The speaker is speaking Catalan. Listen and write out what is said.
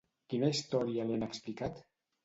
Quina història li han explicat?